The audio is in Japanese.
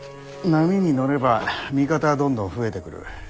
波に乗れば味方はどんどん増えてくる。